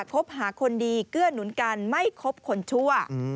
คบหาคนดีเกื้อหนุนกันไม่คบคนชั่ว